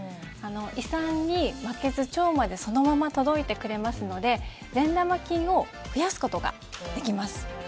胃酸に負けず、腸までそのまま届いてくれますので善玉菌を増やすことができます。